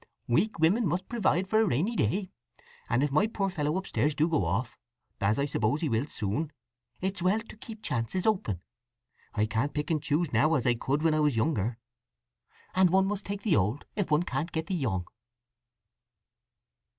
Weak women must provide for a rainy day. And if my poor fellow upstairs do go off—as I suppose he will soon—it's well to keep chances open. And I can't pick and choose now as I could when I was younger. And one must take the old if one can't get the young."